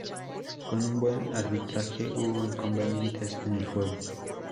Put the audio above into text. Con un buen arbitraje, hubo inconvenientes en el juego.